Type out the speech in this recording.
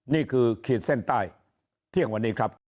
ขีดเส้นใต้เที่ยงวันนี้ครับ